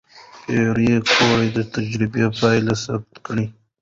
پېیر کوري د تجربې پایله ثبت کړه.